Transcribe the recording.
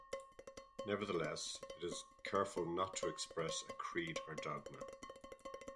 Nevertheless, it is careful not to express a creed or dogma.